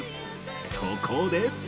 そこで。